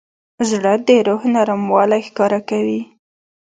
زړه د روح نرموالی ښکاره کوي.